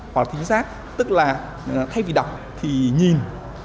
hoặc thính giác tức là thay vì đọc thì nhìn